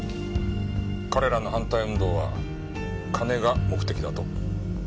彼らの反対運動は金が目的だと？